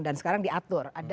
dan sekarang diatur